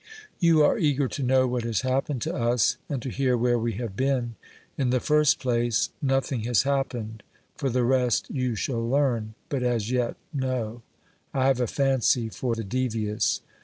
You are eager to know what has happened to us, and to hear where we have been. In the first place, nothing has happened ; for the rest you shall learn, but as yet no : I have a fancy for the devious.